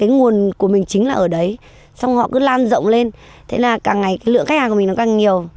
cái nguồn của mình chính là ở đấy xong họ cứ lan rộng lên thế là càng ngày lượng khách hàng của mình nó càng nhiều